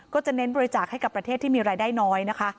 เน้นบริจาคให้กับประเทศที่มีรายได้น้อยนะคะ